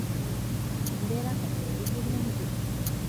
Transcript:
Embeera kati eri bulungi.